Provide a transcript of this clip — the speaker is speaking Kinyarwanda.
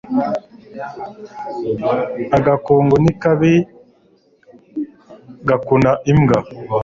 Agakungu ni kabi gakuna imbwa.